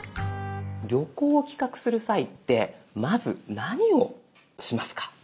旅行を企画する際ってまず何をしますか？